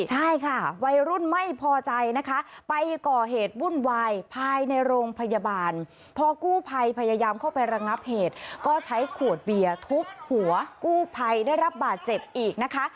ใช่ค่ะวัยรุ่นไม่พอใจนะคะไปก่อเหตุวุ่นวายภายในโรงพยาบาลพอกู้ภัยพยายามเข้าไประงับเหตุก็ใช้ขวดเบียร์ทุบหัวกู้ภัยได้รับบาดเจ็บอีกนะคะ